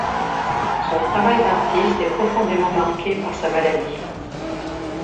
Son travail d'artiste est profondément marqué par sa maladie.